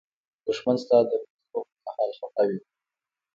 دښمن ستا د لوړېدو پر مهال خپه وي